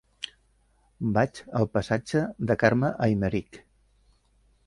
Vaig al passatge de Carme Aymerich.